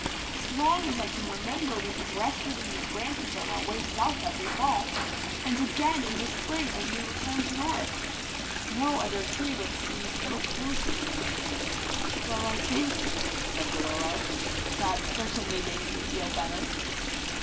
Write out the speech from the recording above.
As long as I can remember we have rested in your branches on our way south every fall, and again in the spring as we returned north. No other tree would seem so cozy." "Well, I thank you," said the Willow; "that certainly makes me feel better."